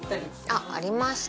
あっありました。